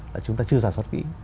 là chúng ta chưa ra soát kỹ